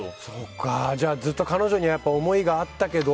じゃあずっと彼女に思いがあったけど。